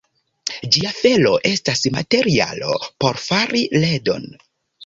Ĝia felo estas materialo por fari ledon.